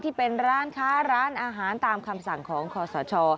ที่เป็นร้านค้าร้านอาหารตามคำสั่งของคอสช